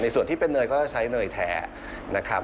ส่วนที่เป็นเนยก็ใช้เนยแท้นะครับ